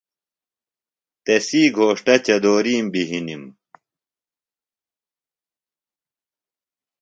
تسی گھوݜٹہ چدورِیم بی ہِنِم۔